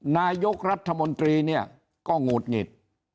นายกรัฐมนตรีเนี่ยก็หงุดหงิด